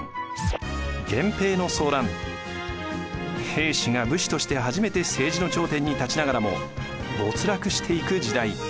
平氏が武士として初めて政治の頂点に立ちながらも没落していく時代。